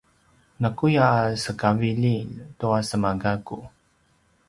nakuya a sekavililj tua semagakku